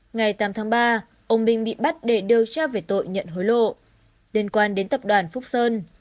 ngày tám tháng ba ông minh bị bắt để điều tra về tội nhận hối lộ liên quan đến tập đoàn phúc sơn